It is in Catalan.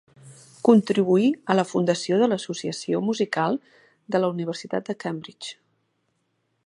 Contribuí a la fundació de l’Associació musical de la universitat de Cambridge.